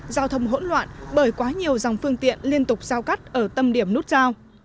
giao thông hỗn loạn bởi quá nhiều dòng phương tiện liên tục giao cắt ở tâm điểm nút giao